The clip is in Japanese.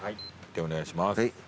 でお願いします。